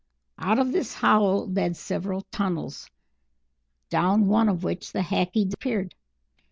Out of this hollow led several tunnels, down one of which the Hackee disappeared.